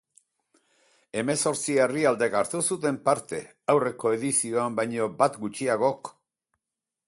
Hemezortzi herrialdek hartu zuten parte, aurreko edizioan baina bat gutxiagok.